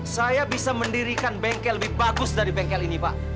saya bisa mendirikan bengkel lebih bagus dari bengkel ini pak